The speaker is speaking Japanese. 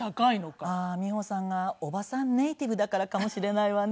美穂さんがおばさんネイティブだからかもしれないわね。